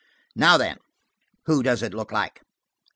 Now, then, who does it look like